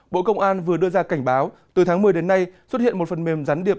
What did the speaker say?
bộ công an vừa đưa ra cảnh báo từ tháng một mươi đến nay xuất hiện một phần mềm gián điệp